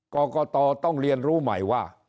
กรกตต้องเรียนรู้ใหม่ว่า